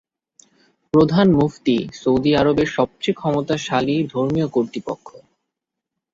প্রধান মুফতি সৌদি আরবের সবচেয়ে ক্ষমতাশালী ধর্মীয় কর্তৃপক্ষ।